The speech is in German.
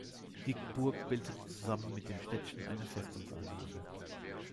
Die Burg bildete zusammen mit dem Städtchen eine Festungsanlage.